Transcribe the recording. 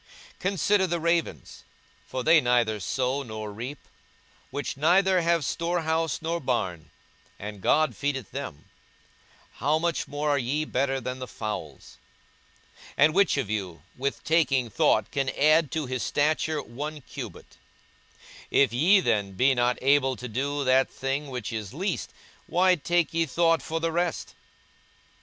42:012:024 Consider the ravens: for they neither sow nor reap; which neither have storehouse nor barn; and God feedeth them: how much more are ye better than the fowls? 42:012:025 And which of you with taking thought can add to his stature one cubit? 42:012:026 If ye then be not able to do that thing which is least, why take ye thought for the rest?